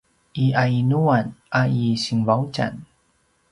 i yainuan a i Sinvaudjan?